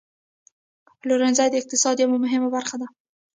پلورنځی د اقتصاد یوه مهمه برخه ده.